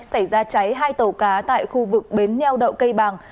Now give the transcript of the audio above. xảy ra cháy hai tàu cá tại khu vực bến nheo đậu cây bàng